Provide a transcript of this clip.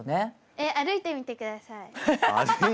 えっ歩いてみてください。